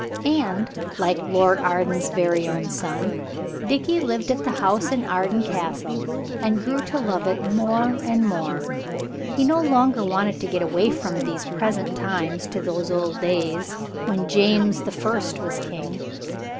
And, like Lord Arden's very own son, Dickie lived at the house in Arden Castle, and grew to love it more and more. He no longer wanted to get away from these present times to those old days when James the First was King.